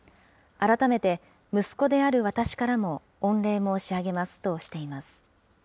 改めて息子である私からも御礼申し上げますとしています。